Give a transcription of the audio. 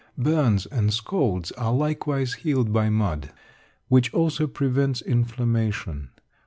Burns and scalds are likewise healed by mud, which also prevents inflammation.